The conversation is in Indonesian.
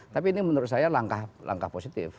tapi ini menurut saya langkah langkah positif